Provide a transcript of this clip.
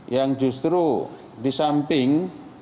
yang justru di samping